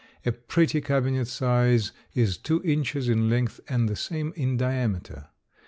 A pretty cabinet size is two inches in length and the same in diameter.